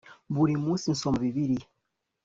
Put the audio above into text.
buri munsi nsoma bibiliya